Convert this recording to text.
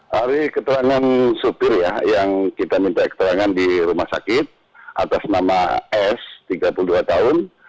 dari keterangan supir ya yang kita minta keterangan di rumah sakit atas nama s tiga puluh dua tahun